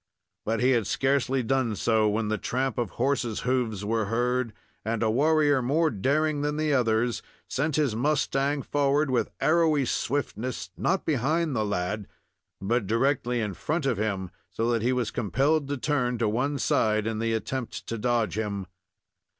But he had scarcely done so, when the tramp of horses' hoofs were heard, and a warrior, more daring than the others, sent his mustang forward with arrowy swiftness, not behind the lad, but directly in front of him, so that he was compelled to turn to one side, in the attempt to dodge him.